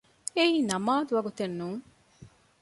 އެއީ ނަމާދު ވަގުތެއް ނޫން